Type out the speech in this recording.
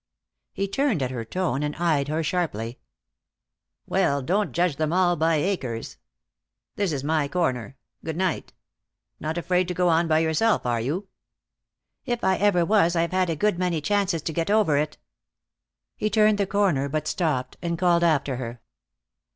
He turned at her tone and eyed her sharply. "Well, don't judge them all by Akers. This is my corner. Good night. Not afraid to go on by yourself, are you?" "If I ever was I've had a good many chances to get over it." He turned the corner, but stopped and called after her.